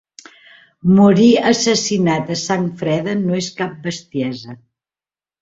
Morir assassinat a sang freda no és cap bestiesa.